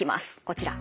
こちら。